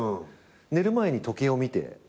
寝る前に時計を見て。